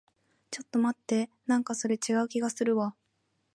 ちょっと待って。なんかそれ、違う気がするわ。